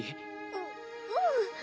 ううん。